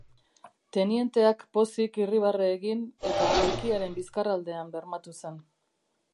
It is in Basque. Tenienteak pozik irribarre egin, eta aulkiaren bizkarraldean bermatu zen.